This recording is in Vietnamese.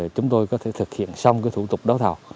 chúng tôi có thể thực hiện xong thủ tục đấu thầu